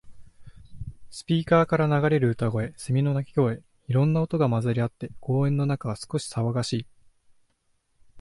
スピーカーから流れる歌声、セミの鳴き声。いろんな音が混ざり合って、公園の中は少し騒がしい。